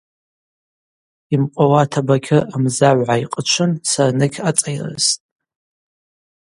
Йымкъвауата Бакьыр амзагӏв гӏайкъычвын сарныкь ацӏайрыстӏ.